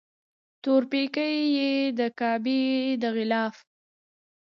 تور پیکی یې د کعبې د غلاف